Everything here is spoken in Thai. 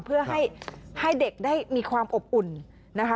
เพื่อให้เด็กได้มีความอบอุ่นนะคะ